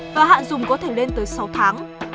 và hạn dùng có thể lên tới sáu tháng